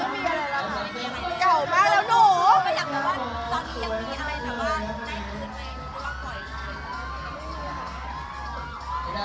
คิวอาร์โค้ดสมัครไปเลย